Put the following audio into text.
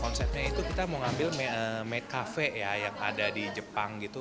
konsepnya itu kita mau ngambil made cafe ya yang ada di jepang gitu